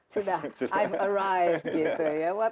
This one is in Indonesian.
sudah i've arrived gitu ya